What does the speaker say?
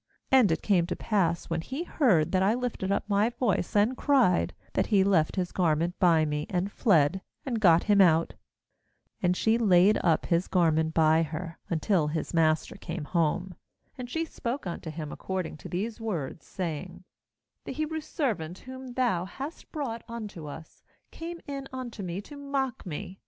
15And it came to pass, when he heard that I lifted up my voice and cried, that he left his garment by me, and fled, and got him out.' 16And she laid up his garment by her, until his master came home. 17And she spoke unto him according to these words, saying: 'The Hebrew servant, whom thou bast brought unto us, came in unto me to mock me.